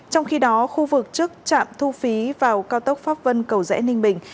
trong khi đó khu vực trước trạm thu phí vào cao tốc pháp vân cầu rẽ ninh bình